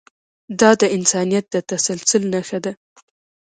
دا د انسانیت د تسلسل نښه ده.